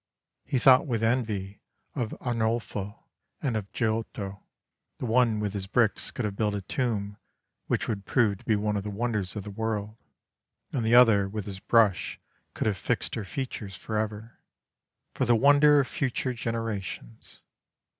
He thought with envy of Arnolfo and of Giotto: the one with his bricks could have built a tomb which would prove to be one of the wonders of the world, and the other with his brush could have fixed her features for ever, for the wonder of future generations.